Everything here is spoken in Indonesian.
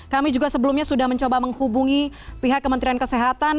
kami juga sebelumnya sudah mencoba menghubungi pihak kementerian kesehatan